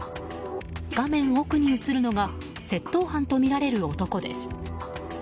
画面奥に映るのが窃盗犯とみられる男です。